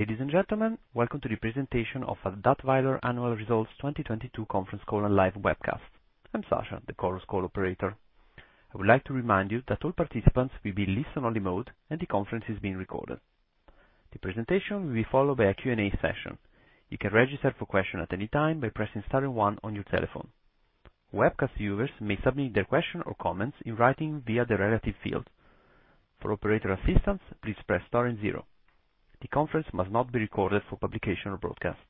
Ladies and gentlemen, welcome to the presentation of the Dätwyler Annual Results 2022 conference call and live webcast. I'm Sasha, the Chorus Call operator. I would like to remind you that all participants will be listen-only mode and the conference is being recorded. The presentation will be followed by a Q&A session. You can register for question at any time by pressing star one on your telephone. Webcast viewers may submit their question or comments in writing via the relative field. For operator assistance, please press star zero. The conference must not be recorded for publication or broadcast.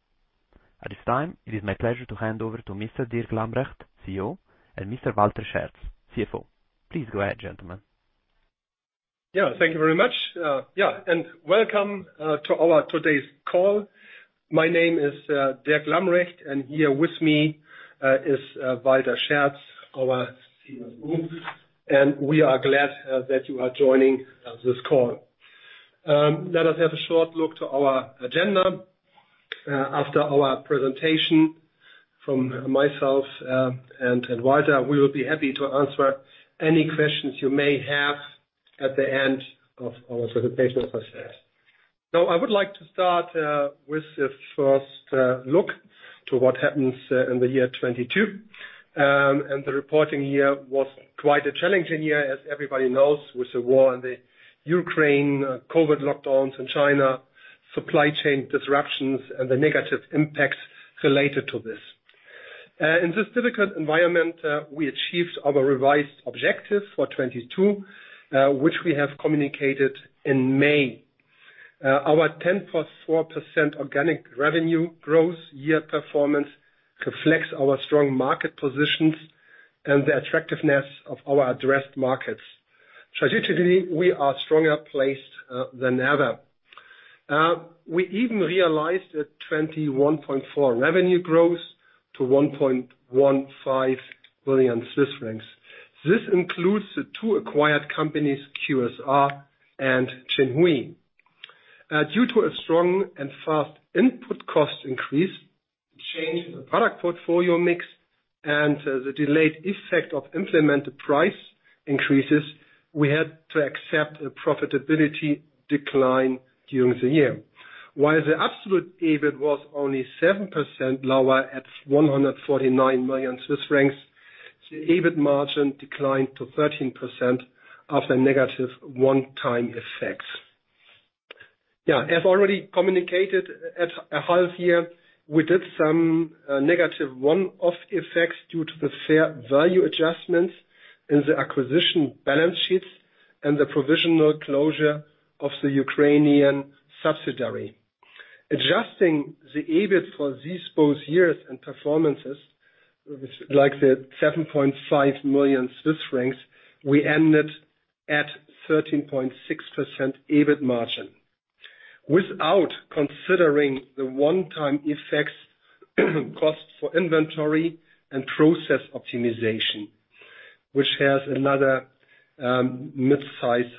At this time, it is my pleasure to hand over to Mr. Dirk Lambrecht, CEO, and Mr. Walter Scherz, CFO. Please go ahead, gentlemen. Yeah, thank you very much. Yeah, welcome to our today's call. My name is Dirk Lambrecht, here with me is Walter Scherz, our CEO. We are glad that you are joining this call. Let us have a short look to our agenda. After our presentation from myself and Walter, we will be happy to answer any questions you may have at the end of our presentation process. I would like to start with a first look to what happens in the year 22. The reporting year was quite a challenging year, as everybody knows, with the war in Ukraine, COVID lockdowns in China, supply chain disruptions, and the negative impacts related to this. In this difficult environment, we achieved our revised objectives for 22, which we have communicated in May. Our 10.4% organic revenue growth year performance reflects our strong market positions and the attractiveness of our addressed markets. Strategically, we are stronger placed than ever. We even realized that 21.4% revenue growth to 1.15 billion Swiss francs. This includes the two acquired companies, QSR and Xinhui. Due to a strong and fast input cost increase, change in the product portfolio mix, and the delayed effect of implemented price increases, we had to accept a profitability decline during the year. While the absolute EBIT was only 7% lower at 149 million Swiss francs, the EBIT margin declined to 13% after negative one-time effects. As already communicated at a half year, we did some negative one-off effects due to the fair value adjustments in the acquisition balance sheets and the provisional closure of the Ukrainian subsidiary. Adjusting the EBIT for these both years and performances, like 7.5 million Swiss francs, we ended at 13.6% EBIT margin. Without considering the one-time effects, costs for inventory and process optimization, which has another midsize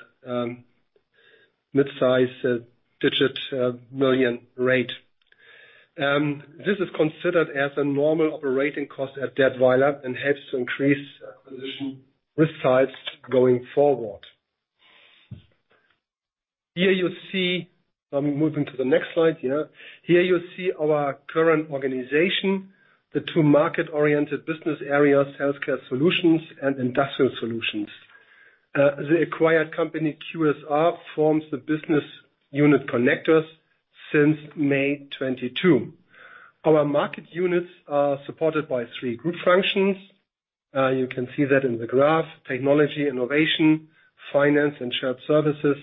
midsize digit million rate. This is considered as a normal operating cost at Dätwyler and helps to increase acquisition with size going forward. I'm moving to the next slide here. Here you see our current organization, the two market-oriented business areas, Healthcare Solutions and Industrial Solutions. The acquired company, QSR, forms the business unit Connectors since May 2022. Our market units are supported by three group functions. You can see that in the graph. Technology, innovation, finance and shared services,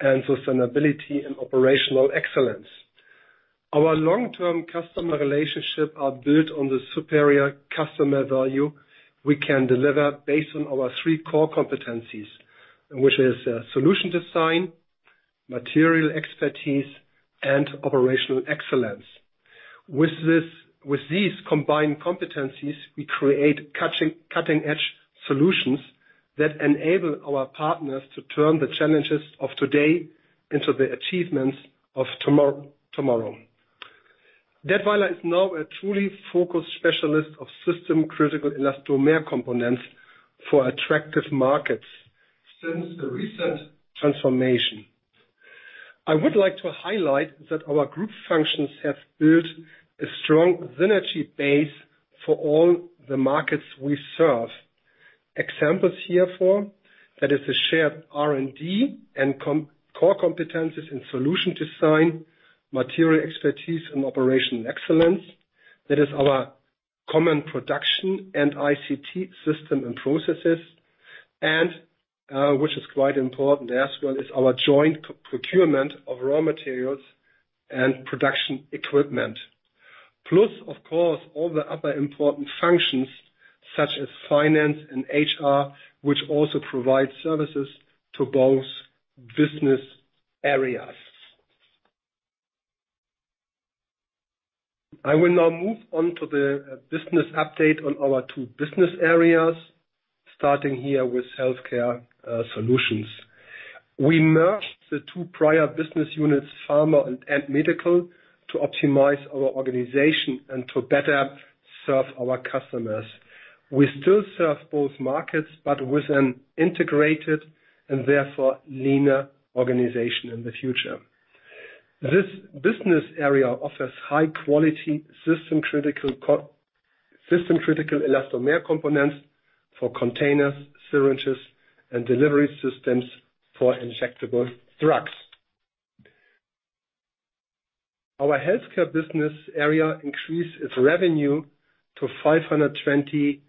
and sustainability and operational excellence. Our long-term customer relationship are built on the superior customer value we can deliver based on our three core competencies, which is solution design, material expertise, and operational excellence. With these combined competencies, we create cutting-edge solutions that enable our partners to turn the challenges of today into the achievements of tomorrow. Dätwyler is now a truly focused specialist of system-critical elastomer components for attractive markets since the recent transformation. I would like to highlight that our group functions have built a strong synergy base for all the markets we serve. Examples here for that is the shared R&D and core competencies in solution design, material expertise and operational excellence. That is our common production and ICT system and processes, and which is quite important as well, is our joint procurement of raw materials and production equipment. Of course, all the other important functions such as finance and HR, which also provide services to both business areas. I will now move on to the business update on our two business areas, starting here with Healthcare Solutions. We merged the two prior business units, Pharma and Medical, to optimize our organization and to better serve our customers. We still serve both markets, but with an integrated and therefore leaner organization in the future. This business area offers high quality system critical elastomer components for containers, syringes, and delivery systems for injectable drugs. Our Healthcare business area increased its revenue to 520.3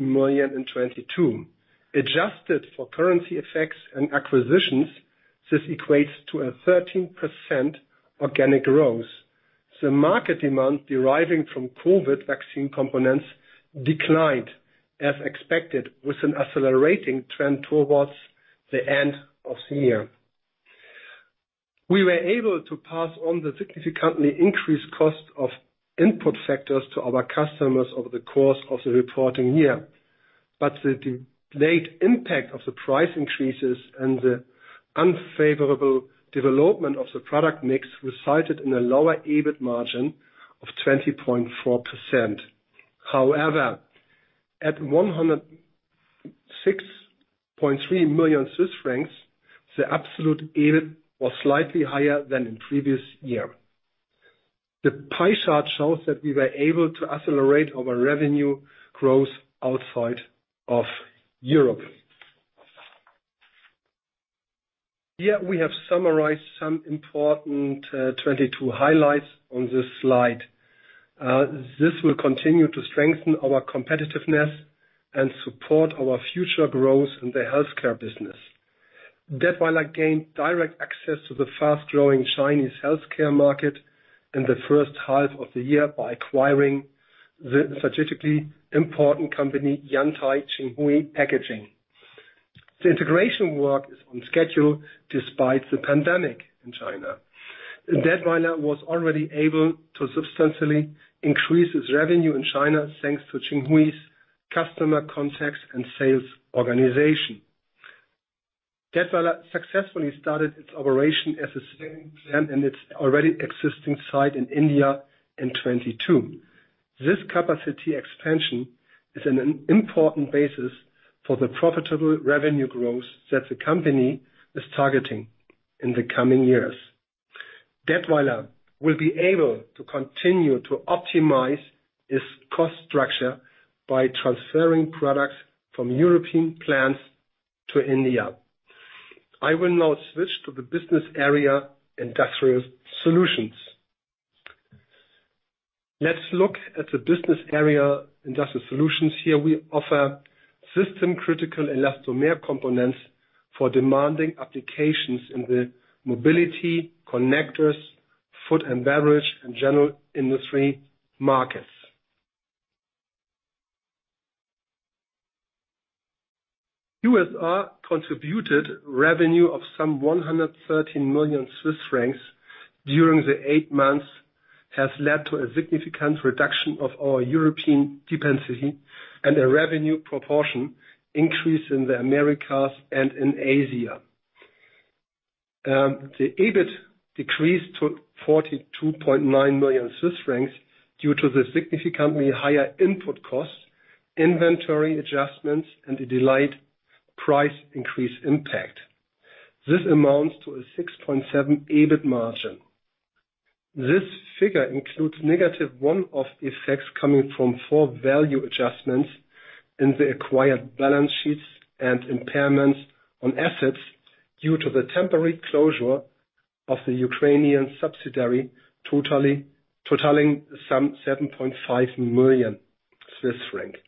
million in 2022. Adjusted for currency effects and acquisitions, this equates to a 13% organic growth. The market demand deriving from COVID vaccine components declined as expected, with an accelerating trend towards the end of the year. We were able to pass on the significantly increased cost of input factors to our customers over the course of the reporting year. The delayed impact of the price increases and the unfavorable development of the product mix resulted in a lower EBIT margin of 20.4%. However, at 106.3 million Swiss francs, the absolute EBIT was slightly higher than in previous year. The pie chart shows that we were able to accelerate our revenue growth outside of Europe. Here we have summarized some important 2022 highlights on this slide. This will continue to strengthen our competitiveness and support our future growth in the healthcare business. Dätwyler gained direct access to the fast-growing Chinese healthcare market in the first half of the year by acquiring the strategically important company, Yantai Xinhui Packing. The integration work is on schedule despite the pandemic in China. Dätwyler was already able to substantially increase its revenue in China, thanks to Xinhui's customer contacts and sales organization. Dätwyler successfully started its operation as a second plant in its already existing site in India in 2022. This capacity expansion is an important basis for the profitable revenue growth that the company is targeting in the coming years. Dätwyler will be able to continue to optimize its cost structure by transferring products from European plants to India. I will now switch to the business area, Industrial Solutions. Let's look at the business area, Industrial Solutions. Here we offer system-critical elastomer components for demanding applications in the Mobility, Connectors, Food & Beverage, and General Industry markets. QSR contributed revenue of some 113 million Swiss francs during the 8 months, has led to a significant reduction of our European dependency and a revenue proportion increase in the Americas and in Asia. The EBIT decreased to 42.9 million Swiss francs due to the significantly higher input costs, inventory adjustments, and a delayed price increase impact. This amounts to a 6.7% EBIT margin. This figure includes negative one-off effects coming from fair value adjustments in the acquired balance sheets and impairments on assets due to the temporary closure of the Ukrainian subsidiary totaling some 7.5 million Swiss francs.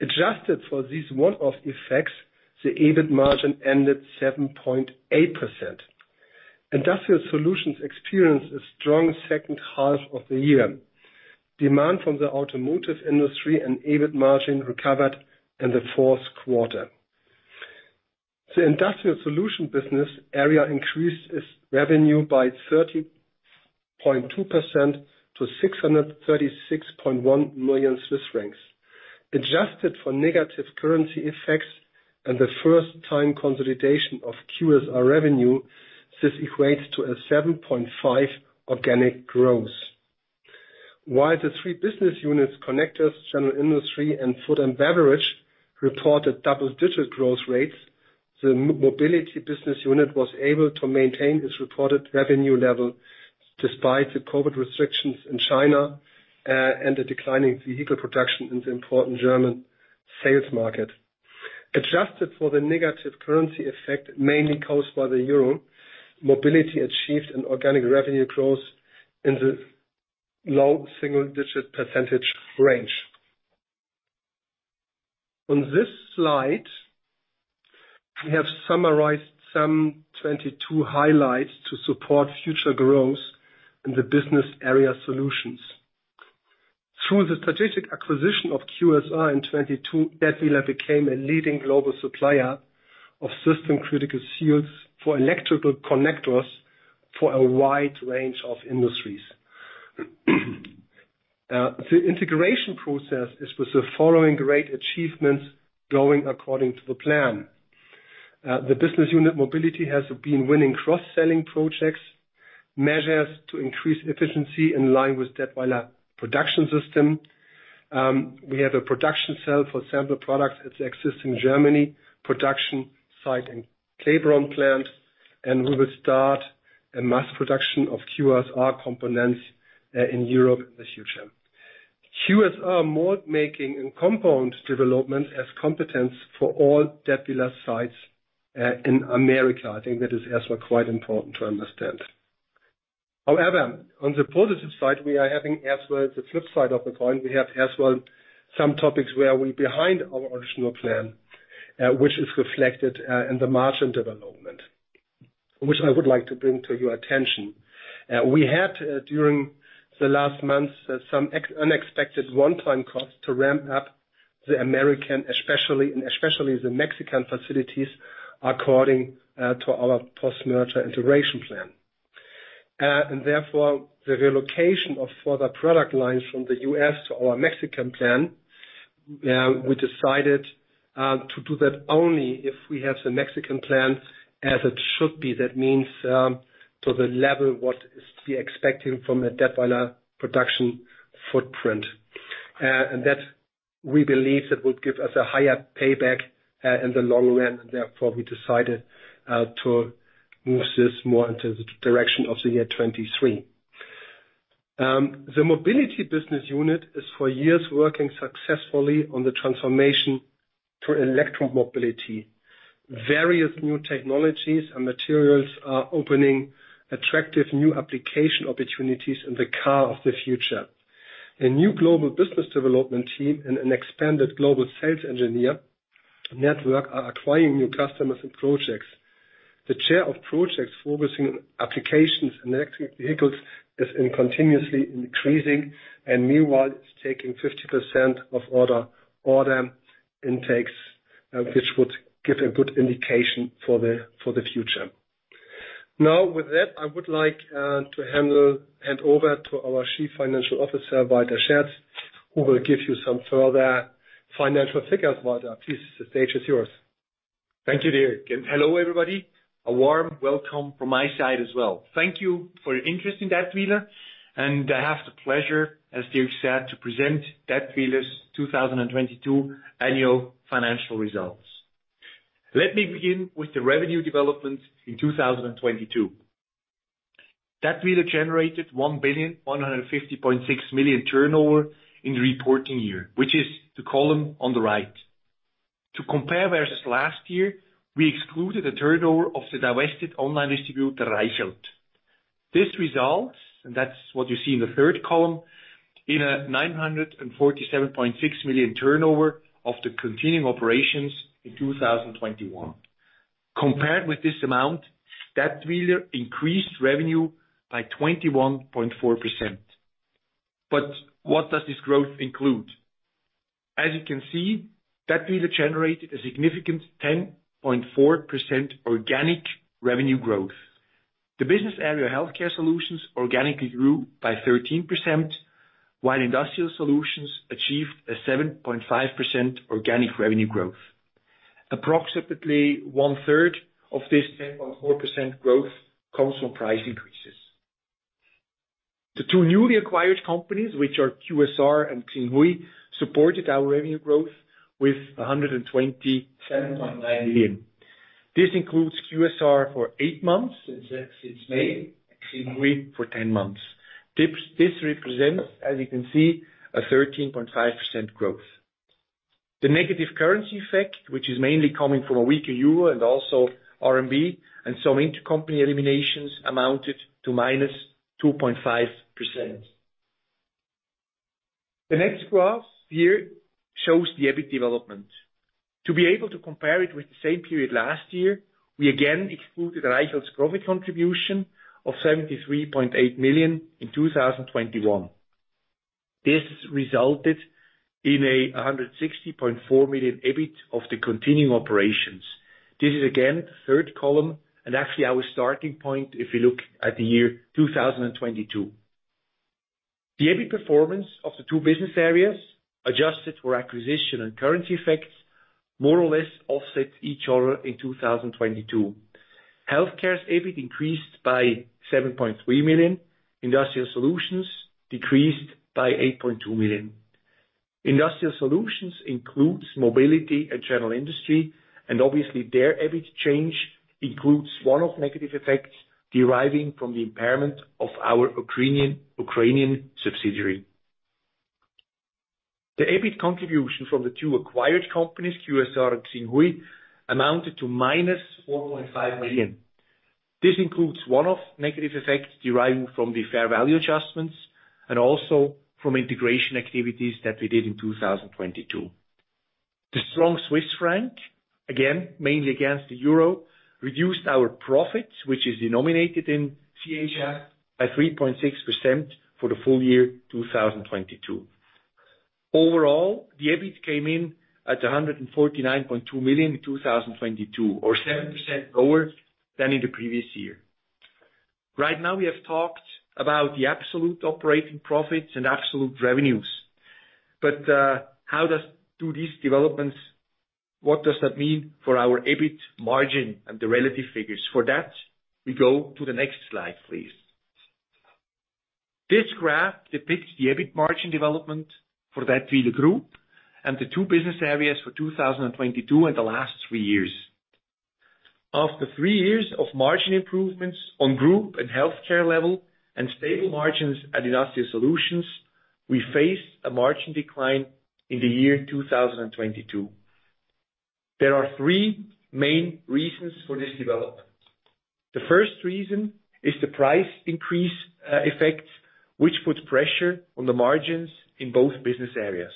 Adjusted for these one-off effects, the EBIT margin ended 7.8%. Industrial Solutions experienced a strong second half of the year. Demand from the automotive industry and EBIT margin recovered in the fourth quarter. The Industrial Solutions business area increased its revenue by 30.2% to 636.1 million Swiss francs. Adjusted for negative currency effects and the first-time consolidation of QSR revenue, this equates to a 7.5% organic growth. While the three business units, Connectors, General Industry, and Food & Beverage, reported double-digit growth rates, the Mobility business unit was able to maintain its reported revenue level despite the COVID restrictions in China and the declining vehicle production in the important German sales market. Adjusted for the negative currency effect, mainly caused by the Euro, Mobility achieved an organic revenue growth in the low single-digit % range. On this slide, we have summarized some 2022 highlights to support future growth in the business area solutions. Through the strategic acquisition of QSR in 2022, Dätwyler became a leading global supplier of system-critical seals for electrical connectors for a wide range of industries. The integration process is with the following great achievements going according to the plan. The Business Unit Mobility has been winning cross-selling projects, measures to increase efficiency in line with Dätwyler Production System. We have a production cell for sample products that's existing Germany production site and Karlsbad-Ittersbach plant, and we will start a mass production of QSR components in Europe in the future. QSR mold making and compound development as competence for all Dätwyler sites in America. I think that is also quite important to understand. However, on the positive side, we are having as well the flip side of the coin. We have as well some topics where we're behind our original plan, which is reflected in the margin development, which I would like to bring to your attention. We had, during the last months, some unexpected one-time costs to ramp up the American, especially, and the Mexican facilities, according to our post-merger integration plan. Therefore, the relocation of further product lines from the US to our Mexican plant, we decided to do that only if we have the Mexican plant as it should be. That means, to the level what is to be expected from a Dätwyler production footprint. That we believe that will give us a higher payback in the long run, therefore we decided to move this more into the direction of the year 23. The Mobility Business Unit is for years working successfully on the transformation to electric mobility. Various new technologies and materials are opening attractive new application opportunities in the car of the future. A new global business development team and an expanded global sales engineer network are acquiring new customers and projects. The chair of projects focusing on applications and electric vehicles is continuously increasing, meanwhile, it's taking 50% of order intakes, which would give a good indication for the future. With that, I would like to hand over to our Chief Financial Officer, Walter Scherz, who will give you some further financial figures. Walter, please, the stage is yours. Thank you, Dirk. Hello, everybody. A warm welcome from my side as well. Thank you for your interest in Dätwyler. I have the pleasure, as Dirk said, to present Dätwyler's 2022 annual financial results. Let me begin with the revenue development in 2022. Dätwyler generated 1,150.6 million turnover in the reporting year, which is the column on the right. To compare versus last year, we excluded the turnover of the divested online distributor, Reichelt. This results, that's what you see in the third column, in a 947.6 million turnover of the continuing operations in 2021. Compared with this amount, Dätwyler increased revenue by 21.4%. What does this growth include? As you can see, Dätwyler generated a significant 10.4% organic revenue growth. The business area, Healthcare Solutions, organically grew by 13%, while Industrial Solutions achieved a 7.5% organic revenue growth. Approximately 1/3 of this 10.4% growth comes from price increases. The 2 newly acquired companies, which are QSR and Xinhui, supported our revenue growth with 127.9 million. This includes QSR for 8 months, since May, Xinhui for 10 months. This represents, as you can see, a 13.5% growth. The negative currency effect, which is mainly coming from a weaker euro and also RMB, and some intercompany eliminations amounted to -2.5%. The next graph here shows the EBIT development. To be able to compare it with the same period last year, we again excluded Reichelt's COVID contribution of 73.8 million in 2021. This resulted in a 160.4 million EBIT of the continuing operations. This is again, the third column, actually our starting point if you look at the year 2022. The EBIT performance of the two business areas, adjusted for acquisition and currency effects, more or less offset each other in 2022. Healthcare's EBIT increased by 7.3 million. Industrial Solutions decreased by 8.2 million. Industrial Solutions includes Mobility and General Industry, obviously their EBIT change includes one-off negative effects deriving from the impairment of our Ukrainian subsidiary. The EBIT contribution from the two acquired companies, QSR and Xinhui, amounted to -1.5 million. This includes one-off negative effects deriving from the fair value adjustments and also from integration activities that we did in 2022. The strong Swiss franc, again, mainly against the euro, reduced our profits, which is denominated in CHF, by 3.6% for the full year 2022. Overall, the EBIT came in at 149.2 million in 2022 or 7% lower than in the previous year. Right now we have talked about the absolute operating profits and absolute revenues. How do these developments, what does that mean for our EBIT margin and the relative figures? For that, we go to the next slide, please. This graph depicts the EBIT margin development for that year, the group, and the two business areas for 2022 and the last three years. After three years of margin improvements on group and healthcare level and stable margins at Industrial Solutions, we faced a margin decline in 2022. There are three main reasons for this development. The first reason is the price increase effect, which puts pressure on the margins in both business areas.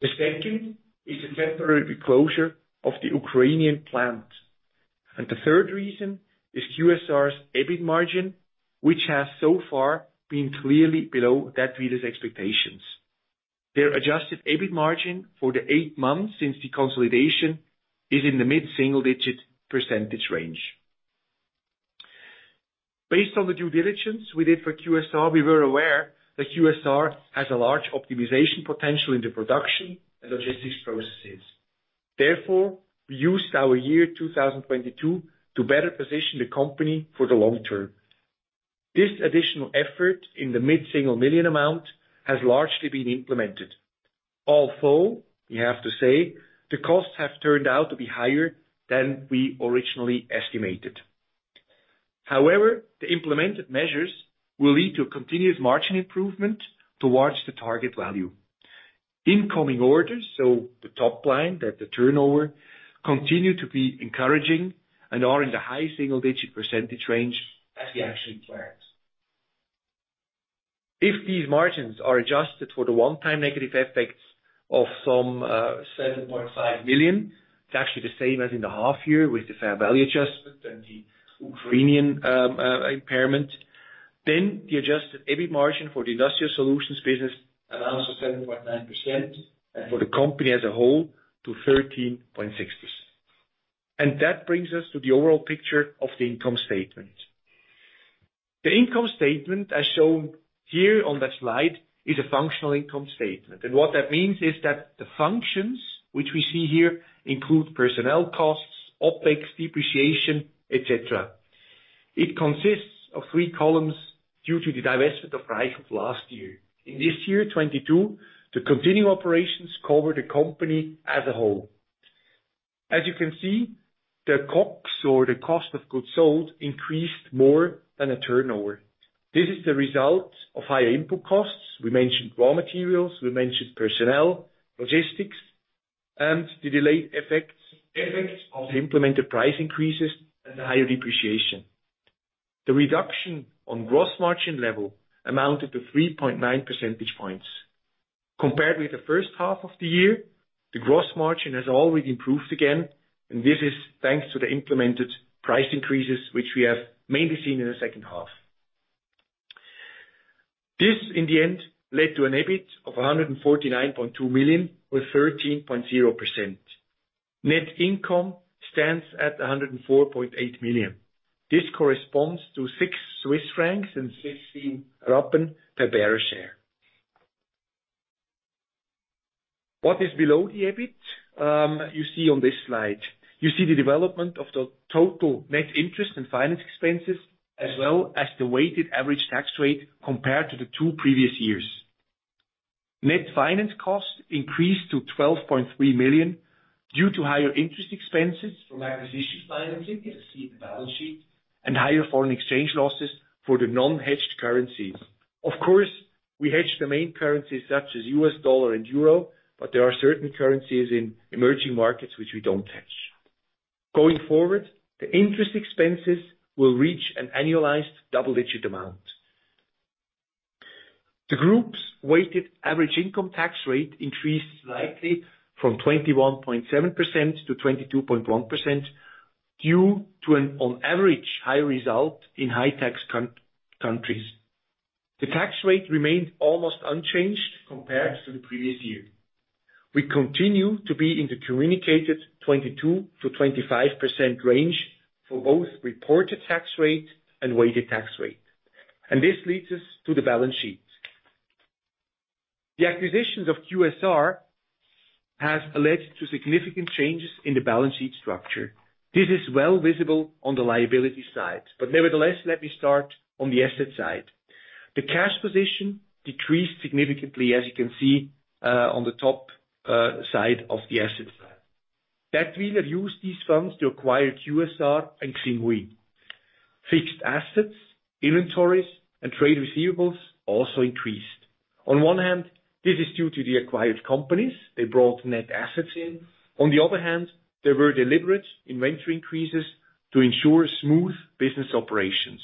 The second is the temporary closure of the Ukrainian plant. The third reason is QSR's EBIT margin, which has so far been clearly below Dätwyler’s expectations. Their adjusted EBIT margin for the eight months since the consolidation is in the mid single-digit % range. Based on the due diligence we did for QSR, we were aware that QSR has a large optimization potential in the production and logistics processes. Therefore, we used our year 2022 to better position the company for the long term. This additional effort in the mid single million amount has largely been implemented. We have to say, the costs have turned out to be higher than we originally estimated. The implemented measures will lead to a continuous margin improvement towards the target value. Incoming orders, so the top line at the turnover, continue to be encouraging and are in the high single digit percentage range as we actually planned. If these margins are adjusted for the one-time negative effects of some 7.5 million, it's actually the same as in the half year with the fair value adjustment and the Ukrainian impairment. The adjusted EBIT margin for the Industrial Solutions business amounts to 7.9%, and for the company as a whole, to 13.6%. That brings us to the overall picture of the income statement. The income statement, as shown here on the slide, is a functional income statement. What that means is that the functions which we see here include personnel costs, OpEx, depreciation, et cetera. It consists of three columns due to the divestment of Reichelt last year. In this year, 2022, the continuing operations cover the company as a whole. As you can see, the COGS, or the cost of goods sold, increased more than a turnover. This is the result of higher input costs. We mentioned raw materials, we mentioned personnel, logistics, and the delayed effects of the implemented price increases and the higher depreciation. The reduction on gross margin level amounted to 3.9 percentage points. Compared with the first half of the year, the gross margin has already improved again, and this is thanks to the implemented price increases, which we have mainly seen in the second half. This, in the end, led to an EBIT of 149.2 million, or 13.0%. Net income stands at 104.8 million. This corresponds to 6.16 Swiss francs per bearer share. What is below the EBIT, you see on this slide. You see the development of the total net interest and finance expenses, as well as the weighted average tax rate compared to the two previous years. Net finance costs increased to 12.3 million due to higher interest expenses from acquisition financing, as seen in the balance sheet, and higher foreign exchange losses for the non-hedged currencies. We hedge the main currencies such as US dollar and euro, there are certain currencies in emerging markets which we don't hedge. Going forward, the interest expenses will reach an annualized double-digit amount. The group's weighted average income tax rate increased slightly from 21.7% to 22.1% due to an on average high result in high tax countries. The tax rate remained almost unchanged compared to the previous year. We continue to be in the communicated 22%-25% range for both reported tax rate and weighted tax rate. This leads us to the balance sheet. The acquisitions of QSR has led to significant changes in the balance sheet structure. This is well visible on the liability side. Nevertheless, let me start on the asset side. The cash position decreased significantly, as you can see, on the top side of the asset side. We have used these funds to acquire QSR and Xinhui. Fixed assets, inventories, and trade receivables also increased. On one hand, this is due to the acquired companies. They brought net assets in. On the other hand, there were deliberate inventory increases to ensure smooth business operations.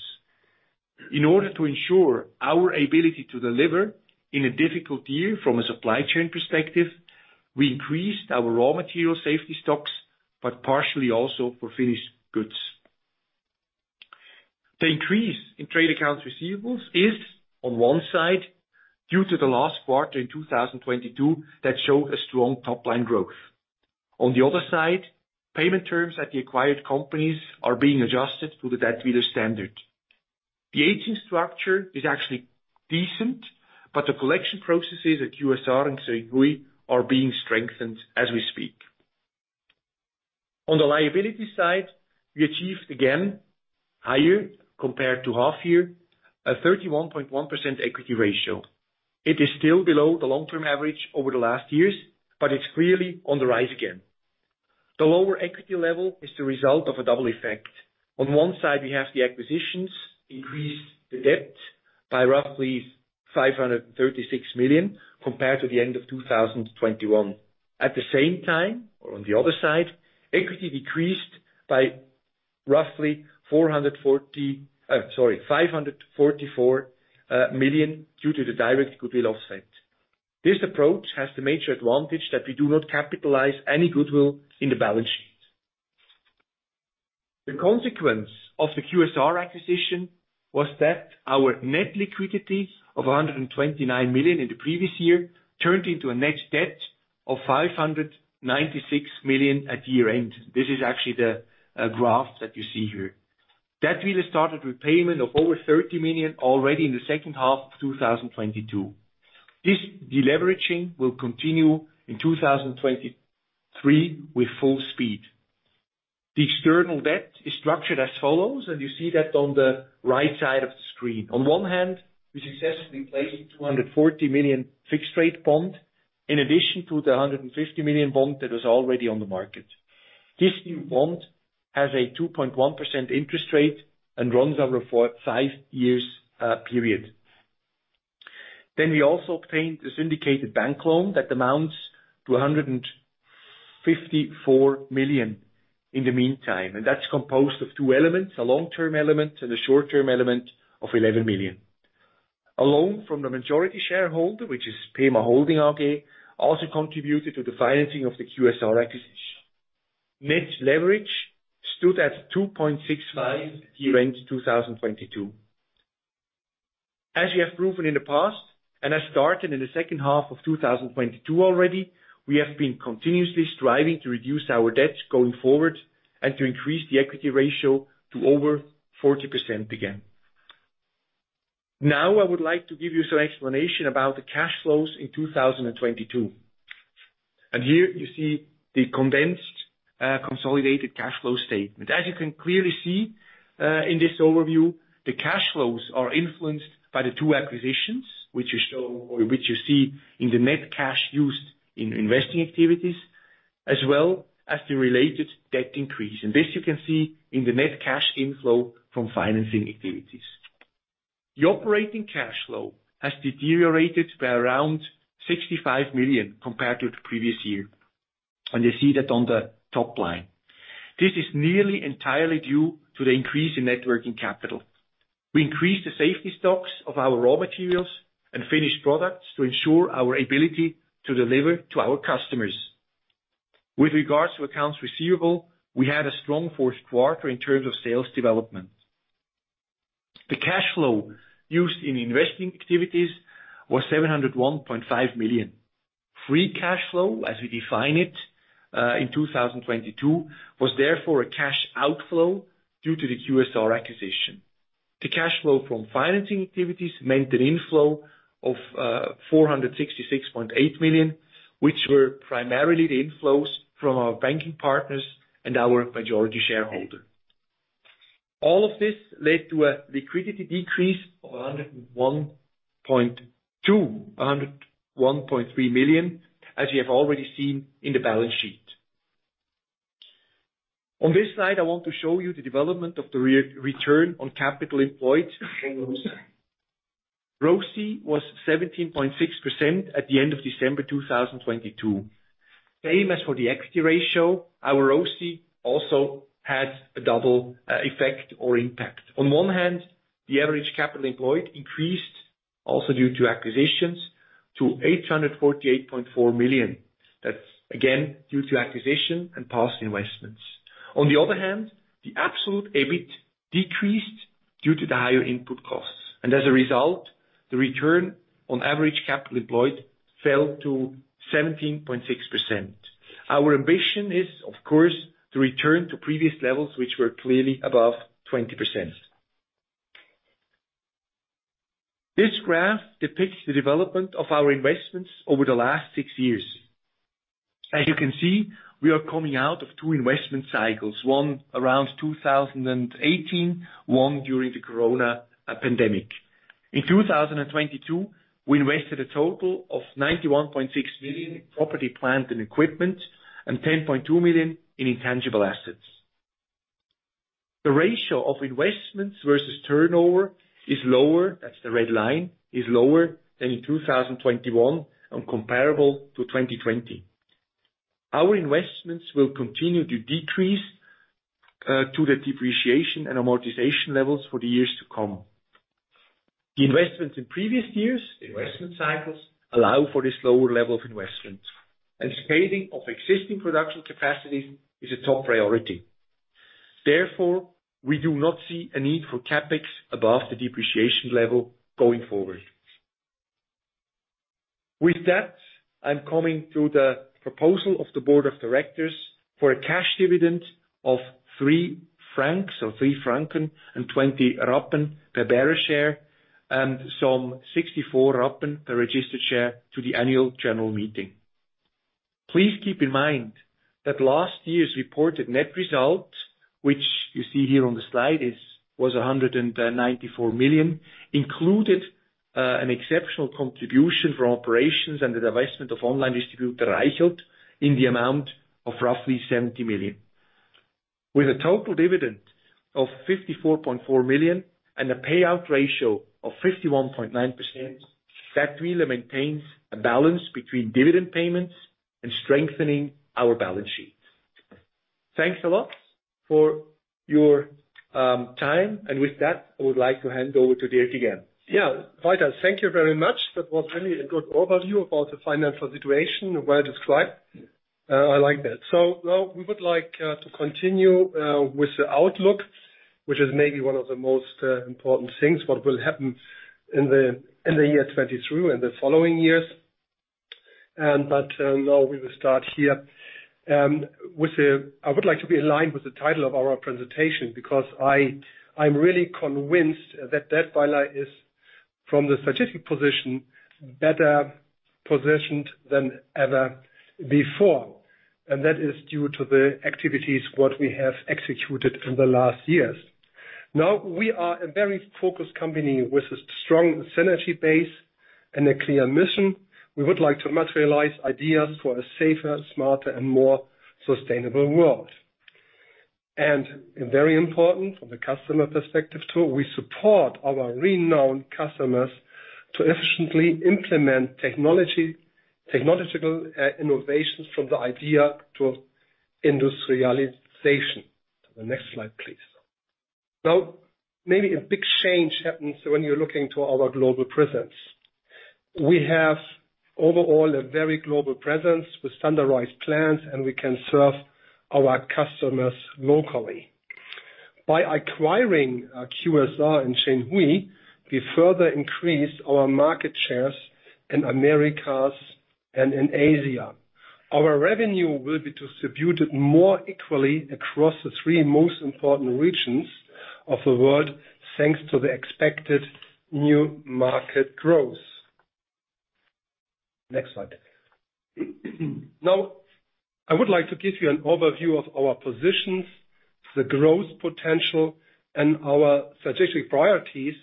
In order to ensure our ability to deliver in a difficult year from a supply chain perspective, we increased our raw material safety stocks, but partially also for finished goods. The increase in trade accounts receivables is, on one side, due to the last quarter in 2022 that show a strong top-line growth. On the other side, payment terms at the acquired companies are being adjusted to the Dätwyler standard. The aging structure is actually decent, the collection processes at QSR and Xinhui are being strengthened as we speak. On the liability side, we achieved again higher compared to half year, a 31.1% equity ratio. It is still below the long term average over the last years, it's clearly on the rise again. The lower equity level is the result of a double effect. On one side we have the acquisitions increase the debt by roughly 536 million compared to the end of 2021. At the same time, or on the other side, equity decreased by roughly 544 million due to the direct goodwill offset. This approach has the major advantage that we do not capitalize any goodwill in the balance sheet. The consequence of the QSR acquisition was that our net liquidity of 129 million in the previous year turned into a net debt of 596 million at year-end. This is actually the graph that you see here. Dätwyler started repayment of over 30 million already in the second half of 2022. This deleveraging will continue in 2023 with full speed. The external debt is structured as follows, and you see that on the right side of the screen. On one hand, we successfully placed 240 million fixed rate bond in addition to the 150 million bond that was already on the market. This new bond has a 2.1% interest rate and runs over for 5 years period. We also obtained the syndicated bank loan that amounts to 154 million in the meantime, and that's composed of two elements, a long-term element and a short-term element of 11 million. A loan from the majority shareholder, which is PEMA Holding AG, also contributed to the financing of the QSR acquisition. Net leverage stood at 2.65 year-end 2022. As we have proven in the past, and have started in the second half of 2022 already, we have been continuously striving to reduce our debt going forward and to increase the equity ratio to over 40% again. I would like to give you some explanation about the cash flows in 2022. Here you see the condensed consolidated cash flow statement. As you can clearly see, in this overview, the cash flows are influenced by the two acquisitions, which you show or which you see in the net cash used in investing activities, as well as the related debt increase. This you can see in the net cash inflow from financing activities. The operating cash flow has deteriorated by around 65 million compared to the previous year. You see that on the top line. This is nearly entirely due to the increase in networking capital. We increased the safety stocks of our raw materials and finished products to ensure our ability to deliver to our customers. With regards to accounts receivable, we had a strong fourth quarter in terms of sales development. The cash flow used in investing activities was 701.5 million. Free cash flow, as we define it, in 2022, was therefore a cash outflow due to the QSR acquisition. The cash flow from financing activities meant an inflow of 466.8 million, which were primarily the inflows from our banking partners and our majority shareholder. All of this led to a liquidity decrease of 101.3 million, as you have already seen in the balance sheet. On this slide, I want to show you the development of the return on capital employed, ROCE. ROCE was 17.6% at the end of December 2022. Same as for the equity ratio, our ROCE also had a double effect or impact. The average capital employed increased also due to acquisitions to 848.4 million. That's again due to acquisition and past investments. The absolute EBIT decreased due to the higher input costs. As a result, the return on average capital employed fell to 17.6%. Our ambition is, of course, to return to previous levels, which were clearly above 20%. This graph depicts the development of our investments over the last six years. As you can see, we are coming out of two investment cycles, one around 2018, one during the Corona pandemic. In 2022, we invested a total of 91.6 million in property, plant, and equipment, and 10.2 million in intangible assets. The ratio of investments versus turnover is lower, that's the red line, is lower than in 2021 and comparable to 2020. Our investments will continue to decrease to the depreciation and amortization levels for the years to come. The investments in previous years, investment cycles, allow for this lower level of investment, and scaling of existing production capacities is a top priority. Therefore, we do not see a need for CapEx above the depreciation level going forward. With that, I'm coming to the proposal of the board of directors for a cash dividend of 3 francs or 3 francs and 20 rappen per bearer share and some 64 rappen per registered share to the annual general meeting. Please keep in mind that last year's reported net result, which you see here on the slide, was 194 million, included an exceptional contribution from operations and the divestment of online distributor Reichelt in the amount of roughly 70 million. With a total dividend of 54.4 million and a payout ratio of 51.9%, that really maintains a balance between dividend payments and strengthening our balance sheets. Thanks a lot for your time, and with that, I would like to hand over to Dirk again. Yeah. Walter, thank you very much. That was really a good overview about the financial situation. Well described. I like that. Now we would like to continue with the outlook, which is maybe one of the most important things, what will happen in the, in the year 2023 and the following years. Now we will start here. I would like to be aligned with the title of our presentation because I'm really convinced that Dätwyler is from the strategic position, better positioned than ever before. That is due to the activities what we have executed in the last years. Now we are a very focused company with a strong synergy base and a clear mission. We would like to materialize ideas for a safer, smarter, and more sustainable world. Very important from the customer perspective too, we support our renowned customers to efficiently implement technological innovations from the idea to industrialization. The next slide, please. Maybe a big change happens when you're looking to our global presence. We have overall a very global presence with standardized plans, and we can serve our customers locally. By acquiring QSR and Xinhui, we further increased our market shares in Americas and in Asia. Our revenue will be distributed more equally across the three most important regions of the world, thanks to the expected new market growth. Next slide. I would like to give you an overview of our positions, the growth potential, and our strategic priorities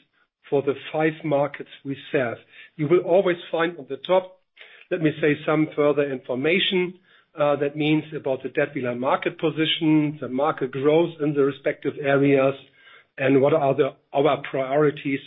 for the five markets we serve. You will always find on the top, let me say, some further information, that means about the Dätwyler market position, the market growth in the respective areas, and what are our priorities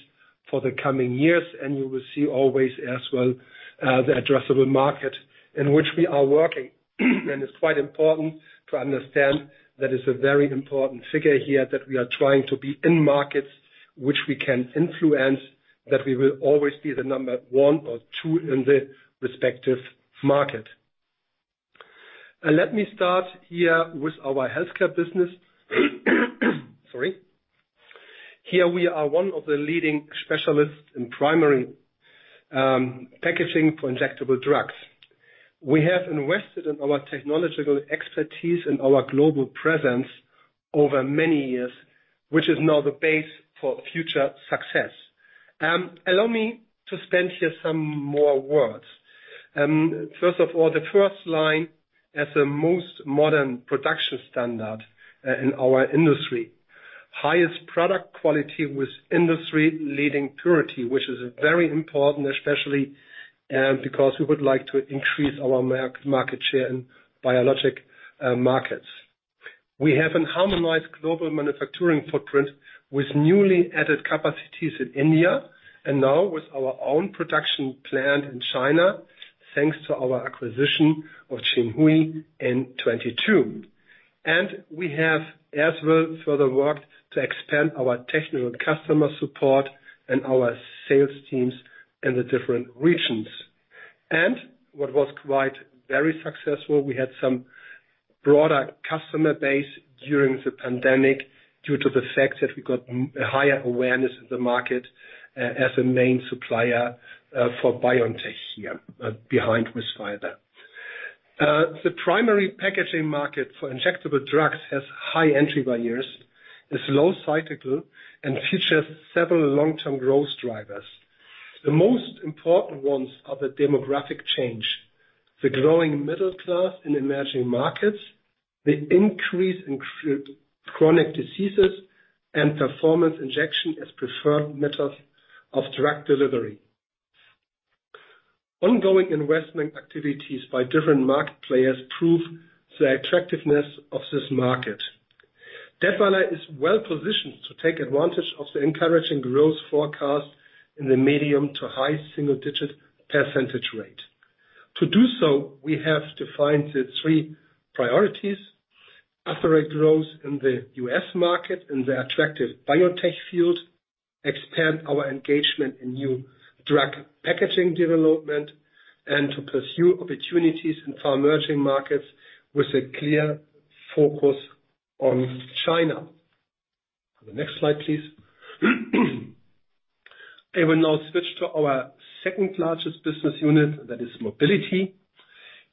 for the coming years. You will see always as well, the addressable market in which we are working. It's quite important to understand that it's a very important figure here that we are trying to be in markets which we can influence, that we will always be the number one or two in the respective market. Let me start here with our healthcare business. Sorry. Here we are one of the leading specialists in primary packaging for injectable drugs. We have invested in our technological expertise and our global presence over many years, which is now the base for future success. Allow me to spend here some more words. First of all, the first line has the most modern production standard in our industry. Highest product quality with industry-leading purity, which is very important, especially, because we would like to increase our market share in biologic markets. We have a harmonized global manufacturing footprint with newly added capacities in India and now with our own production plant in China, thanks to our acquisition of Xinhui in 2022. We have as well further worked to expand our technical customer support and our sales teams in the different regions. What was quite very successful, we had some broader customer base during the pandemic due to the fact that we got a higher awareness in the market, as a main supplier, for biotech here, behind with Pfizer. The primary packaging market for injectable drugs has high entry barriers, is low cyclical, and features several long-term growth drivers. The most important ones are the demographic change, the growing middle class in emerging markets, the increase in chronic diseases, and performance injection as preferred methods of drug delivery. Ongoing investment activities by different market players prove the attractiveness of this market. Dätwyler is well-positioned to take advantage of the encouraging growth forecast in the medium to high single-digit % rate. To do so, we have defined the three priorities: accelerate growth in the US market in the attractive biotech field, expand our engagement in new drug packaging development, and to pursue opportunities in far emerging markets with a clear focus on China. On the next slide, please. I will now switch to our second-largest business unit, that is Mobility.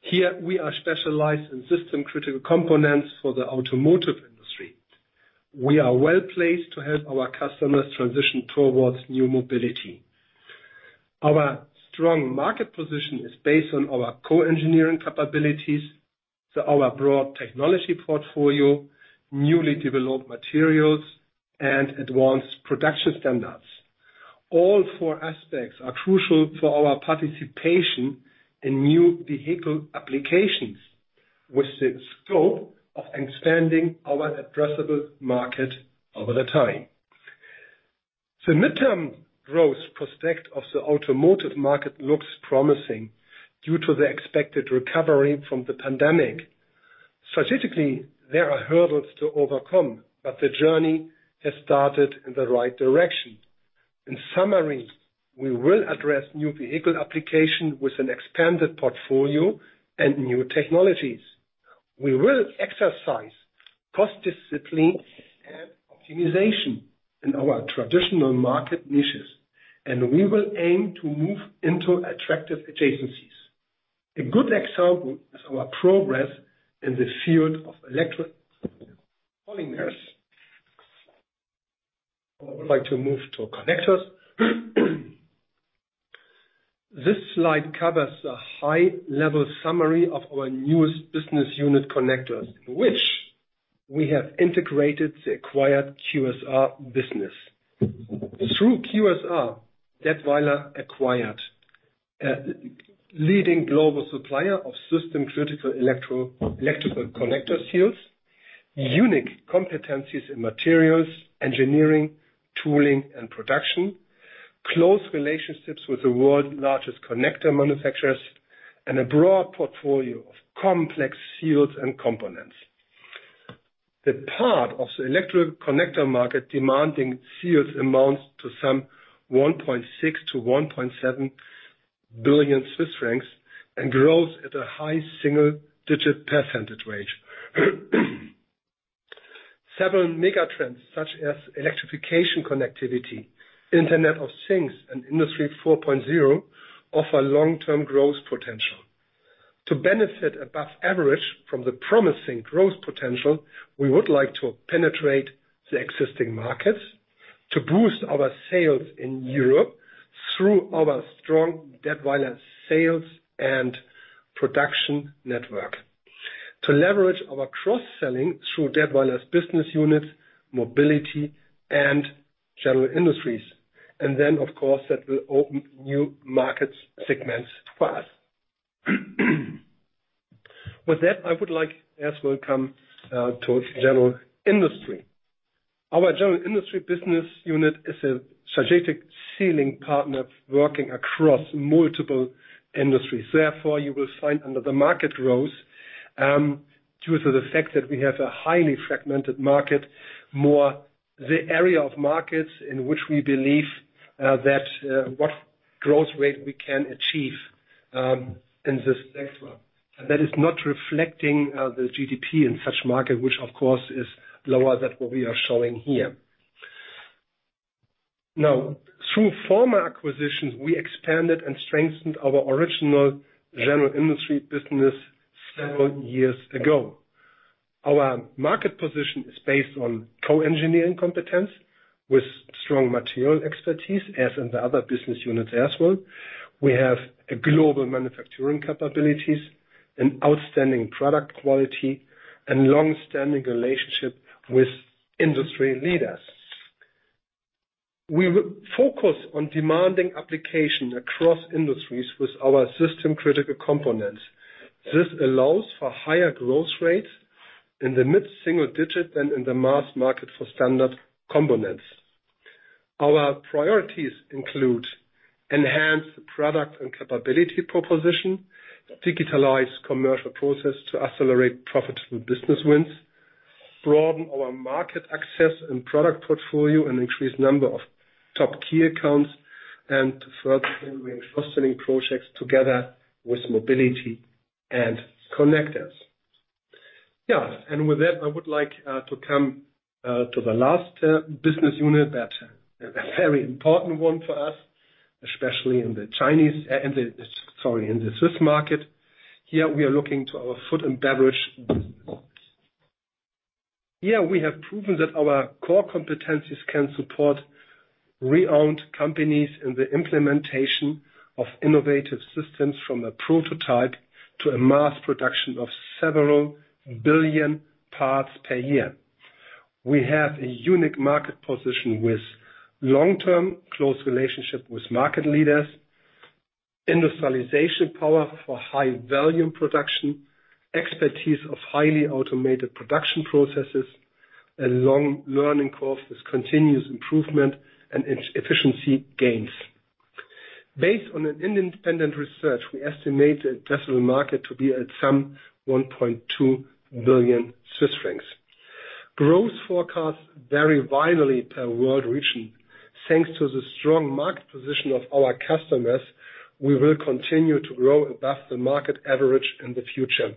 Here we are specialized in system critical components for the automotive industry. We are well-placed to help our customers transition towards new mobility. Our strong market position is based on our co-engineering capabilities to our broad technology portfolio, newly developed materials, and advanced production standards. All four aspects are crucial for our participation in new vehicle applications, with the scope of expanding our addressable market over the time. The midterm growth prospect of the automotive market looks promising due to the expected recovery from the pandemic. Strategically, there are hurdles to overcome, but the journey has started in the right direction. In summary, we will address new vehicle application with an expanded portfolio and new technologies. We will exercise cost discipline and optimization in our traditional market niches, and we will aim to move into attractive adjacencies. A good example is our progress in the field of electro polymers. I would like to move to Connectors. This slide covers a high-level summary of our newest business unit Connectors, which we have integrated the acquired QSR business. Through QSR, Dätwyler acquired a leading global supplier of system critical electrical connector seals, unique competencies in materials, engineering, tooling, and production, close relationships with the world's largest connector manufacturers, and a broad portfolio of complex seals and components. The part of the electrical connector market demanding seals amounts to some 1.6 billion-1.7 billion Swiss francs and grows at a high single-digit % rate. Several megatrends such as electrification connectivity, Internet of Things, and Industry 4.0 offer long-term growth potential. To benefit above average from the promising growth potential, we would like to penetrate the existing markets to boost our sales in Europe through our strong Dätwyler sales and production network. To leverage our cross-selling through Dätwyler's business units, Mobility and General Industry. Of course, that will open new market segments for us. With that, I would like as well come to General Industry. Our General Industry business unit is a strategic sealing partner working across multiple industries. Therefore, you will find under the market growth, due to the fact that we have a highly fragmented market, more the area of markets in which we believe that what growth rate we can achieve in this next one. That is not reflecting the GDP in such market, which, of course, is lower than what we are showing here. Through former acquisitions, we expanded and strengthened our original General Industry business several years ago. Our market position is based on co-engineering competence with strong material expertise, as in the other business units as well. We have a global manufacturing capabilities and outstanding product quality and long-standing relationship with industry leaders. We focus on demanding application across industries with our system critical components. This allows for higher growth rates in the mid-single digit and in the mass market for standard components. Our priorities include enhance the product and capability proposition, digitalize commercial process to accelerate profitable business wins, broaden our market access and product portfolio, and increase number of top key accounts, and to further cross-selling projects together with Mobility and Connectors. With that, I would like to come to the last business unit. That a very important one for us, especially in the Chinese, in the Swiss market. Here we are looking to our Food & Beverage business. Here we have proven that our core competencies can support renowned companies in the implementation of innovative systems from a prototype to a mass production of several billion parts per year. We have a unique market position with long-term close relationship with market leaders, industrialization power for high volume production, expertise of highly automated production processes, a long learning curve with continuous improvement and e-efficiency gains. Based on an independent research, we estimate the addressable market to be at some 1.2 billion Swiss francs. Growth forecasts vary widely per world region. Thanks to the strong market position of our customers, we will continue to grow above the market average in the future.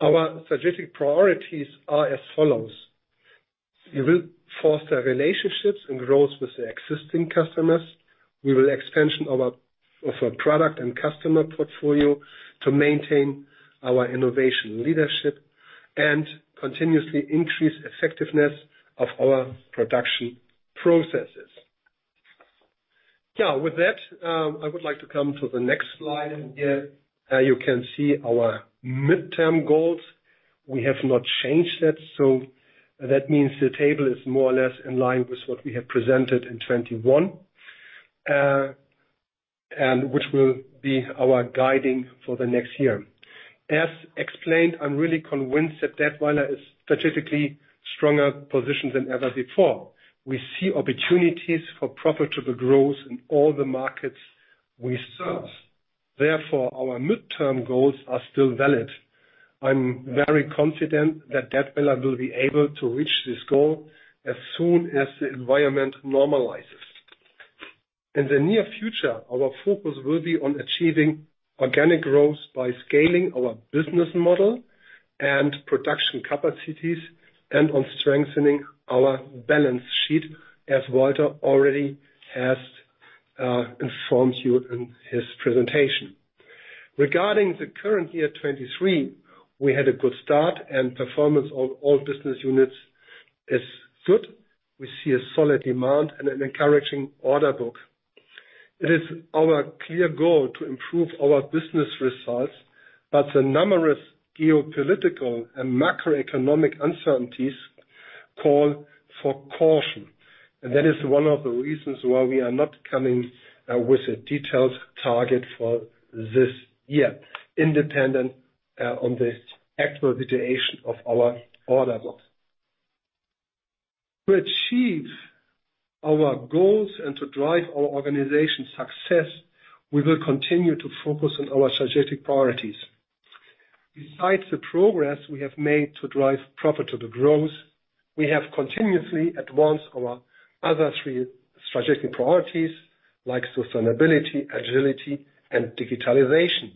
Our strategic priorities are as follows. We will foster relationships and growth with the existing customers. We will expansion of our product and customer portfolio to maintain our innovation leadership and continuously increase effectiveness of our production processes. With that, I would like to come to the next slide. Here, you can see our midterm goals. We have not changed that, so that means the table is more or less in line with what we have presented in 21, and which will be our guiding for the next year. As explained, I'm really convinced that Dätwyler is strategically stronger position than ever before. We see opportunities for profitable growth in all the markets we serve. Therefore, our midterm goals are still valid. I'm very confident that Dätwyler will be able to reach this goal as soon as the environment normalizes. In the near future, our focus will be on achieving organic growth by scaling our business model and production capacities and on strengthening our balance sheet, as Walter already has informed you in his presentation. Regarding the current year 23, we had a good start and performance of all business units is good. We see a solid demand and an encouraging order book. It is our clear goal to improve our business results, but the numerous geopolitical and macroeconomic uncertainties call for caution. That is one of the reasons why we are not coming with a detailed target for this year, independent on the actual situation of our order book. To achieve our goals and to drive our organization's success, we will continue to focus on our strategic priorities. Besides the progress we have made to drive profitable growth, we have continuously advanced our other three strategic priorities like sustainability, agility, and digitalization.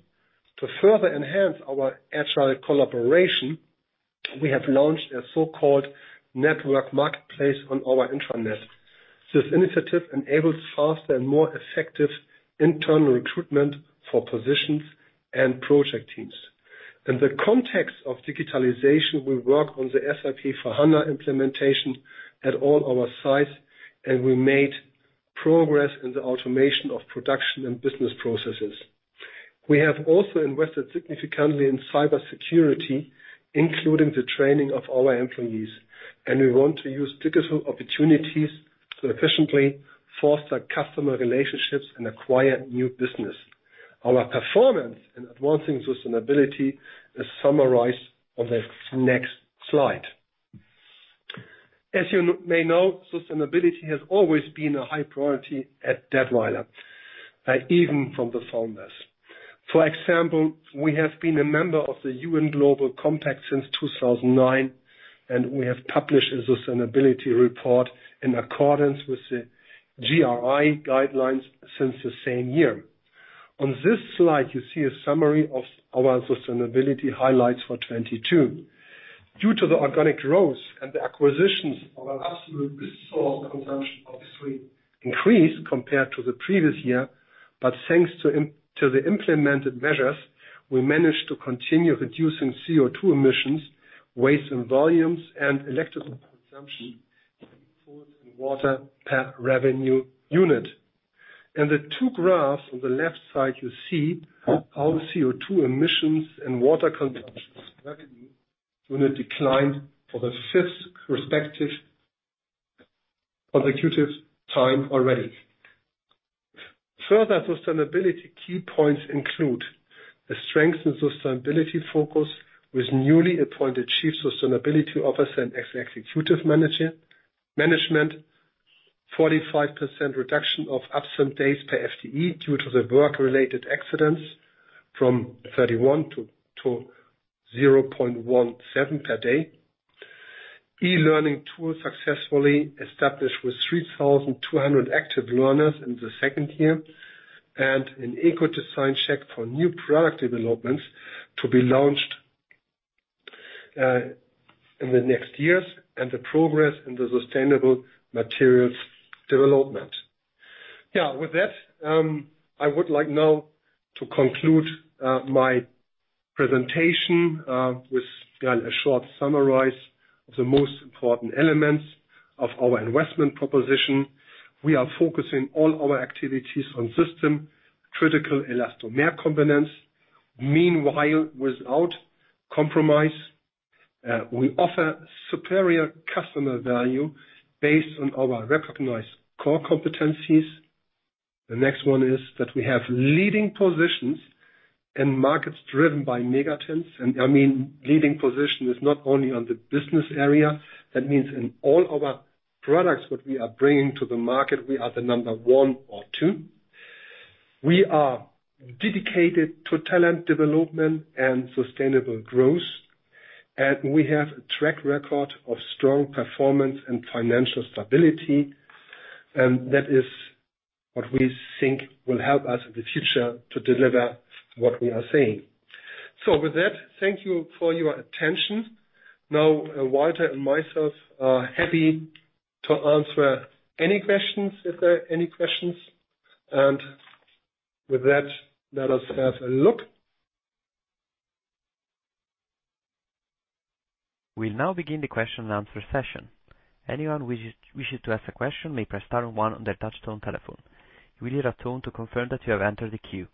To further enhance our agile collaboration, we have launched a so-called network marketplace on our intranet. This initiative enables faster and more effective internal recruitment for positions and project teams. In the context of digitalization, we work on the SAP S/4HANA implementation at all our sites, and we made progress in the automation of production and business processes. We have also invested significantly in cybersecurity, including the training of our employees, and we want to use digital opportunities to efficiently foster customer relationships and acquire new business. Our performance in advancing sustainability is summarized on the next slide. As you may know, sustainability has always been a high priority at Dätwyler, even from the founders. For example, we have been a member of the UN Global Compact since 2009, and we have published a sustainability report in accordance with the GRI guidelines since the same year. On this slide, you see a summary of our sustainability highlights for 2022. Due to the organic growth and the acquisitions of our absolute resource, the consumption obviously increased compared to the previous year. Thanks to the implemented measures, we managed to continue reducing CO₂ emissions, waste and volumes, and electrical consumption, food and water per revenue unit. In the two graphs on the left side, you see our CO₂ emissions and water consumption revenue unit declined for the 5th respective consecutive time already. Further sustainability key points include a strengthened sustainability focus with newly appointed chief sustainability officer and executive management. 45% reduction of absent days per FTE due to the work-related accidents from 31 to 0.17 per day. E-learning tool successfully established with 3,200 active learners in the second year and an eco-design check for new product developments to be launched in the next years and the progress in the sustainable materials development. Yeah. With that, I would like now to conclude my presentation with a short summarize of the most important elements of our investment proposition. We are focusing all our activities on system, critical elastomer components. Meanwhile, without compromise, we offer superior customer value based on our recognized core competencies. The next one is that we have leading positions in markets driven by megatrends. I mean, leading position is not only on the business area. That means in all our products that we are bringing to the market, we are the number one or two. We are dedicated to talent development and sustainable growth, and we have a track record of strong performance and financial stability, and that is. What we think will help us in the future to deliver what we are saying. With that, thank you for your attention. Now, Walter and myself are happy to answer any questions, if there are any questions. With that, let us have a look. We now begin the question and answer session. Anyone wishes to ask a question may press star and one on their touch-tone telephone. You will hear a tone to confirm that you have entered the queue.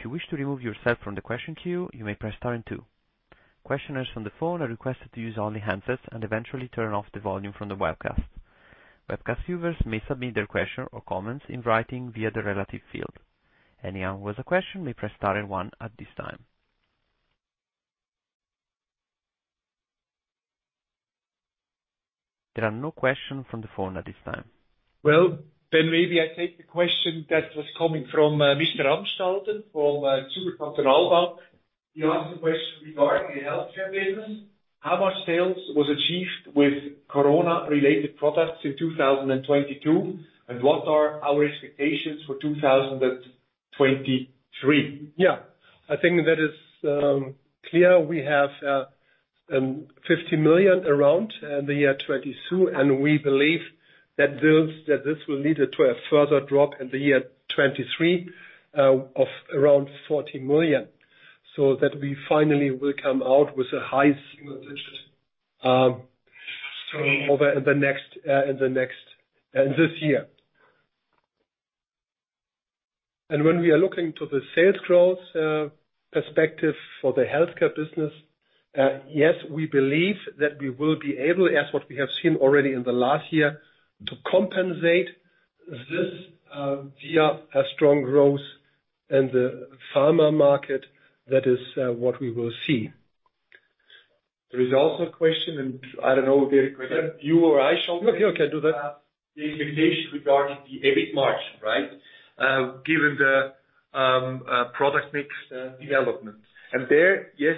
If you wish to remove yourself from the question queue, you may press star and two. Questioners from the phone are requested to use only handsets and eventually turn off the volume from the webcast. Webcast viewers may submit their question or comments in writing via the relative field. Anyone with a question may press star and one at this time. There are no questions from the phone at this time. Maybe I take the question that was coming from Mr. Ramstein from Zürcher Kantonalbank. He asked a question regarding the healthcare business. How much sales was achieved with Corona-related products in 2022, and what are our expectations for 2023? Yeah. I think that is clear. We have 50 million around the year 2022, and we believe that this will lead to a further drop in the year 2023 of around 40 million, so that we finally will come out with a high single digit over in the next this year. When we are looking to the sales growth perspective for the healthcare business, yes, we believe that we will be able, as what we have seen already in the last year, to compensate this via a strong growth in the pharma market. That is what we will see. There is also a question, and I don't know, Gary, whether you or I. No, you can do that. The expectation regarding the EBIT margin, right, given the product mix development? There, yes,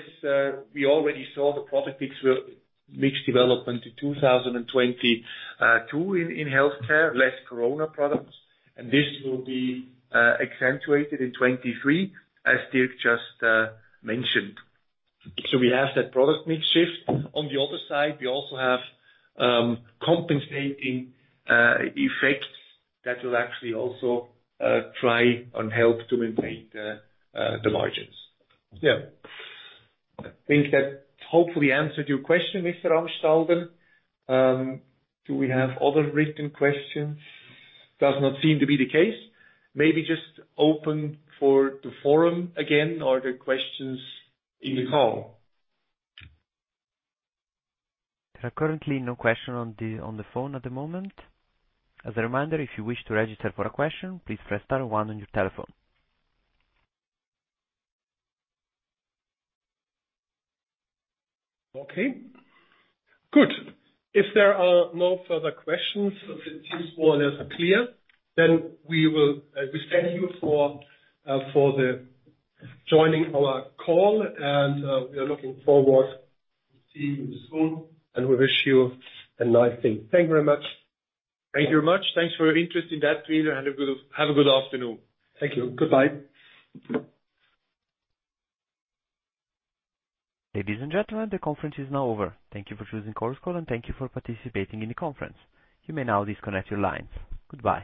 we already saw the product mix development in 2022 in healthcare, less Corona products. This will be accentuated in 23, as Dirk just mentioned. We have that product mix shift. On the other side, we also have compensating effects that will actually also try and help to maintain the margins. Yeah. I think that hopefully answered your question, Mr. Ramstein. Do we have other written questions? Does not seem to be the case. Maybe just open for the forum again. Are there questions in the call? There are currently no question on the phone at the moment. As a reminder, if you wish to register for a question, please press star and one on your telephone. Okay. Good. If there are no further questions, if it seems all is clear, We thank you for the joining our call, and we are looking forward to seeing you soon, and we wish you a nice day. Thank you very much. Thank you very much. Thanks for your interest in that. We either have a good afternoon. Thank you. Goodbye. Ladies and gentlemen, the conference is now over. Thank you for choosing Chorus Call, and thank you for participating in the conference. You may now disconnect your lines. Goodbye.